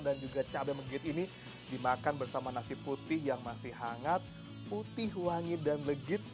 dan juga cabai megit ini dimakan bersama nasi putih yang masih hangat